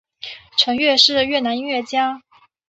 陈桓是越南音乐家。